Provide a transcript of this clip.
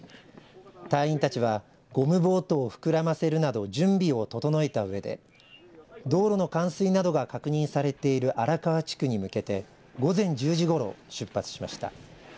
隊員たちはゴムボートを膨らませるなど準備を整えたうえで道路の冠水などが確認されている荒川地区に向けて午前１０時ごろ出発しました。